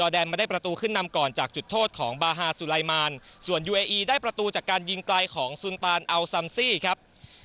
ได้ประตูจากการยิงไกลของซุนตานเอาซัมซี่ครับ